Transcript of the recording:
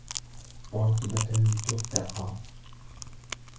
وَرُتْبَةً تُرْتَقَى